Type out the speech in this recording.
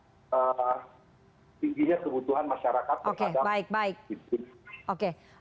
tingginya kebutuhan masyarakat terhadap